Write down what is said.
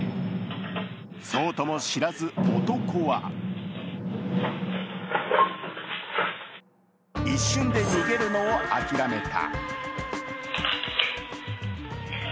そうとも知らず、男は一瞬で逃げるのを諦めた。